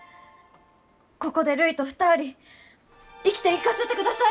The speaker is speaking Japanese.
ここでるいと２人生きていかせてください！